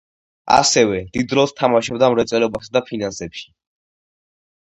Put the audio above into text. ასევე, დიდ როლს თამაშობდა მრეწველობასა და ფინანსებში.